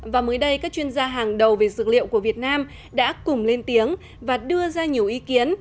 và mới đây các chuyên gia hàng đầu về dược liệu của việt nam đã cùng lên tiếng và đưa ra nhiều ý kiến